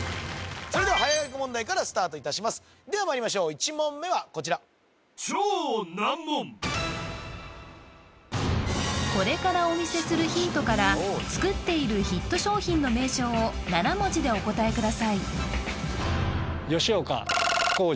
それでは早書き問題からスタートいたしますではまいりましょう１問目はこちらこれからお見せするヒントから作っているヒット商品の名称を７文字でお答えください